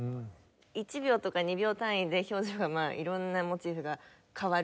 １秒とか２秒単位で表情が色んなモチーフが変わる。